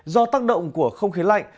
do tăng động của không khí lạnh